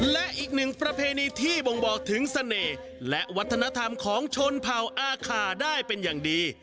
และอีกหนึ่งประเพณีที่บ่งบอกถึงเสน่ห์และวัฒนธรรมของชนเผ่าอาคาได้เป็นอย่างดี